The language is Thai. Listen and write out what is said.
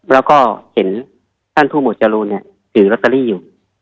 แล้วก็เห็นท่านผู้หมวดจรูนถือลอตเตอรี่อยู่